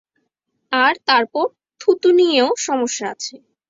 আর তারপর থুতু নিয়েও সমস্যা আছে।